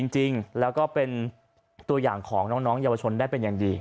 จริงแล้วก็เป็นตัวอย่างของน้องเยาวชนได้เป็นอย่างดี